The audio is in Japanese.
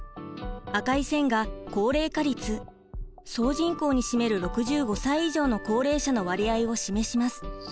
赤い線が高齢化率総人口に占める６５歳以上の高齢者の割合を示します。